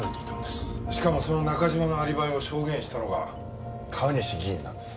しかもその中島のアリバイを証言したのが川西議員なんです。